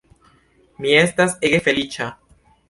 Mi estas ege feliĉa!